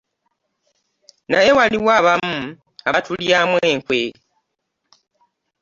Naye waliwo abamu abatulyamu enkwe.